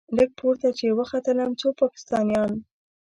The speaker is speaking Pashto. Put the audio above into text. لږ پورته چې وختلم څو پاکستانيان.